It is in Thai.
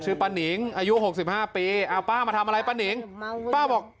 ป้านิงอายุหกสิบห้าปีเอาป้ามาทำอะไรป้านิงป้าบอก